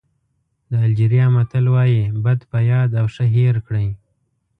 د الجېریا متل وایي بد په یاد او ښه هېر کړئ.